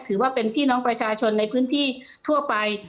ถือว่าเป็นพี่น้องประชาชนในพื้นที่ทั่วไป